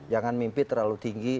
jangan mimpi terlalu tinggi